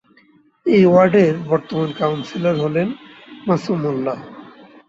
এ ওয়ার্ডের বর্তমান কাউন্সিলর হলেন মাসুম মোল্লা।